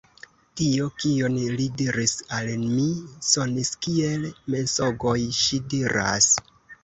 Tio, kion li diris al mi, sonis kiel mensogoj, ŝi diras.